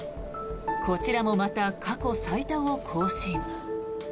こちらもまた、過去最多を更新。